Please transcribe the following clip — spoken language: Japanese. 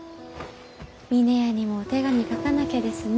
峰屋にもお手紙書かなきゃですね。